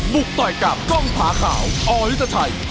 ต่อยกับกล้องผาขาวอริตชัย